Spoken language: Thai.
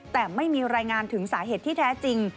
แต่ไม่มีรายงานถึงสาเหตุที่แท้จริง